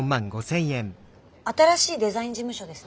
新しいデザイン事務所ですね？